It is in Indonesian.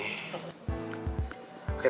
ada bener juga sih